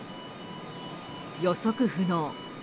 予測不能。